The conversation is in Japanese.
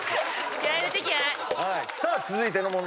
さあ続いての問題。